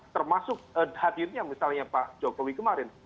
termasuk hadirnya misalnya pak jokowi kemarin